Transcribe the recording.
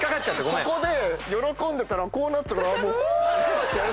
ここで喜んでたらこうなったからフォ！って。